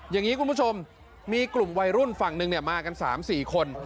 อย่างนี้คุณผู้ชมมีกลุ่มวัยรุ่นฝั่งหนึ่งมากัน๓๔คน